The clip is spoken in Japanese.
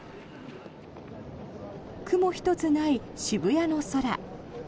雲一つない渋谷の空。